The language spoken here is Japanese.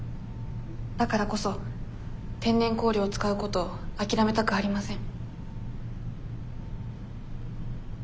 だからこそ天然香料を使うことを諦めたくありません。